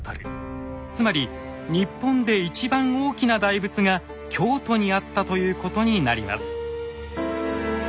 つまり日本で一番大きな大仏が京都にあったということになります。